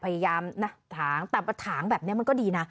พยายามนะถางแต่ประถางแบบนี้มันก็ดีนะ